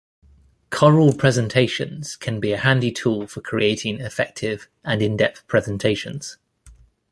Corel Presentations can be a handy tool for creating effective and in-depth presentations.